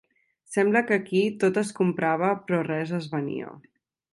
Semblava que aquí tot es comprava però res es venia.